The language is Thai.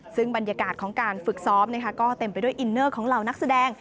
ซึ่งบรรยากาศของการฝึกซ้อมก็เต็มไปด้วยอินเนอร์ของเหล่านักแสดง